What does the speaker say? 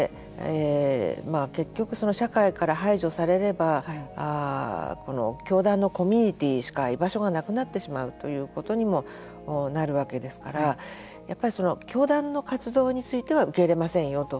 結局、社会から排除されれば教団のコミュニティーしか居場所がなくなってしまうということにもなるわけですからやっぱり教団の活動については受け入れませんよと。